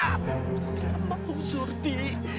aku tidak mau surti